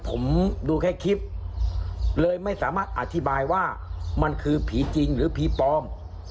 ผมดูแค่คลิปเลยไม่สามารถอธิบายว่ามันคือผีจริงหรือผีปลอม